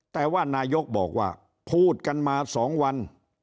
แต่ว่านายกบอกว่าพูดกันมา๒วัน